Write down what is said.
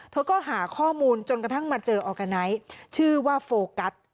เธอก็หาข้อมูลจนกระทั่งมาเจอออร์กาไนท์ชื่อว่าโฟกัส